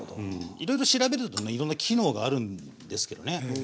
いろいろ調べるとねいろんな機能があるんですけどね。